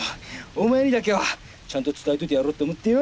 お前にだけはちゃんと伝えておいてやろうと思ってよ。